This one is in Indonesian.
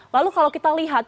lalu kalau kita lihat